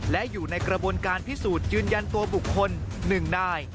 และอยู่ในกระบวนการพิสูจน์ยืนยันตัวบุคคล๑นาย